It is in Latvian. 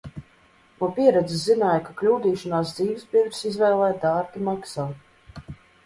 No pieredzes zināju, ka kļūdīšanās dzīvesbiedres izvēlē dārgi maksā.